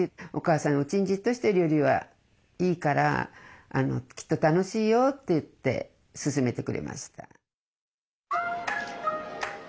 お母さんうちにじっとしてるよりはいいからきっと楽しいよ」と言って勧めてくれました。